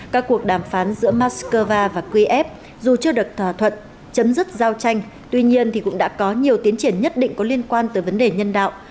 các cuộc đàm phán giữa moscow và qf dù chưa được thỏa thuận chấm dứt giao tranh tuy nhiên thì cũng đã có nhiều tiến triển nhất định có liên quan tới vấn đề nhân đạo